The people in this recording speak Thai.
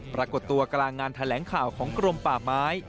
ปรากฏตัวกลางงานแถลงข่าวของกรมป่าไม้